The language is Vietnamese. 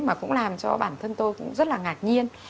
mà cũng làm cho bản thân tôi cũng rất là ngạc nhiên